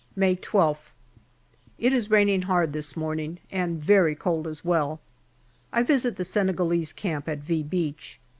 May 12th. It is raining hard this morning, and very cold as well. I visit the Senegalese camp at " V " Beach.